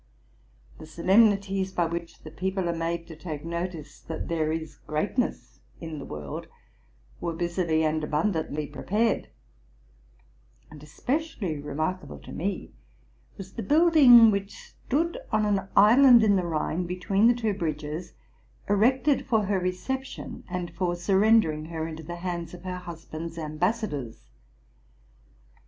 The solemnities by which the people are made to take notice that there is greatness in the world were busily and abundantly prepared; and especially remarkable to me was the building which stood on an island in the Rhine between the two bridges, erected for her recep tion and for surrendering her into the hands of her husband's ambassadors.